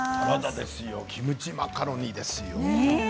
キムチマカロニですよ。